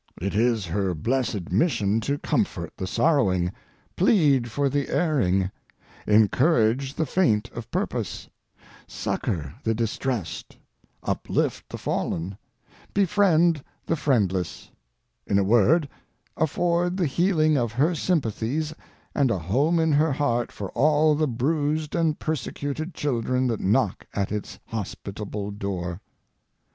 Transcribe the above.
It is her blessed mission to comfort the sorrowing, plead for the erring, encourage the faint of purpose, succor the distressed, uplift the fallen, befriend the friendless—in a word, afford the healing of her sympathies and a home in her heart for all the bruised and persecuted children that knock at its hospitable door.